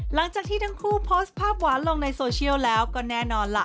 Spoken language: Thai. หลังจากที่ทั้งคู่โพสต์ภาพหวานลงในโซเชียลแล้วก็แน่นอนล่ะ